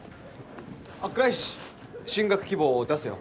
あっ倉石進学希望出せよ。